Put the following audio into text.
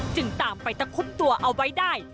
จึงตามไปตะคุบตัวเอาไว้ได้